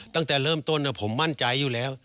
ตั้งแต่เริ่มต้นผมมั่นใจอยู่แล้ว